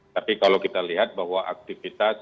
tapi kalau kita lihat bahwa aktivitas